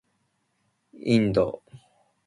インド